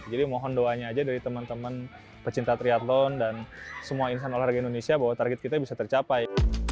jadi mohon doanya aja dari teman teman pecinta triathlon dan semua orang indonesia bahwa target kita bisa tercapai